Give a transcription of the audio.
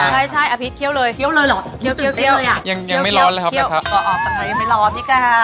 กอบตังไม่ร้อนพี่กราบ